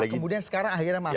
kemudian sekarang akhirnya masuk